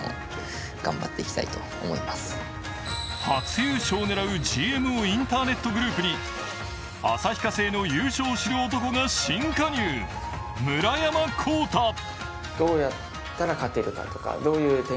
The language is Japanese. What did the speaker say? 初優勝を狙うＧＭＯインターネットグループに旭化成の優勝を知る男が新加入、村山絋太。